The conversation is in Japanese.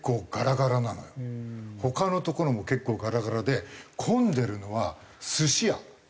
他の所も結構ガラガラで混んでるのは寿司屋。